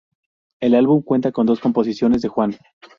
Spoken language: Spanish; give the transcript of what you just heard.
El álbum cuenta con dos composiciones de Juan.